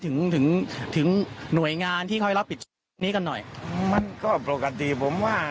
ถึงถึงหน่วยงานที่เขาให้เราปิดกันหน่อยมันก็ปกติผมว่า